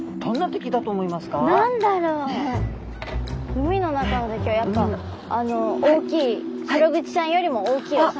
海の中の敵はやっぱシログチちゃんよりも大きいお魚。